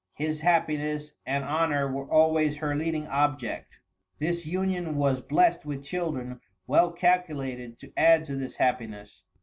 His happiness and honor were always her leading object. This union was blessed with children well calculated to add to this happiness.